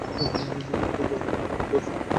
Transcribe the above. তু-তু-তুমি কী করছ?